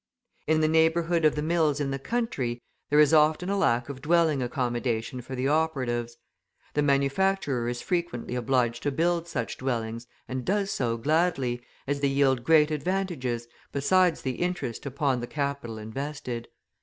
In the neighbourhood of the mills in the country, there is often a lack of dwelling accommodation for the operatives. The manufacturer is frequently obliged to build such dwellings and does so gladly, as they yield great advantages, besides the interest upon the capital invested.